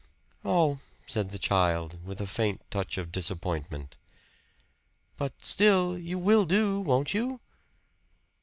"Oh!" said the child with a faint touch of disappointment. "But still you will do, won't you?"